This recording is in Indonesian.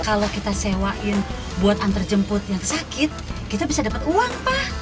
kalau kita sewain buat antre jemput yang sakit kita bisa dapet uang pak